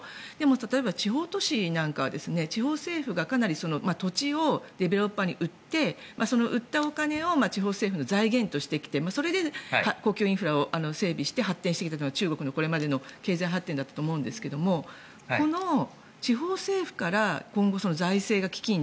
例えば地方都市なんかは地方政府が、かなり土地をディベロッパーに売ってその売ったお金を地方政府の財源としてきてそれで公共インフラを整備して発展してきたのが中国のこれまでの経済発展だったと思うんですがこの地方政府から今後財政が危機に